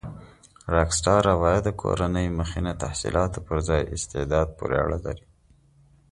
راک سټار عوایده کورنۍ مخینه تحصيلاتو پر ځای استعداد پورې اړه لري.